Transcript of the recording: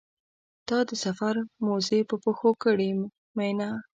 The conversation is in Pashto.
تا د سفر موزې په پښو کړې مینه.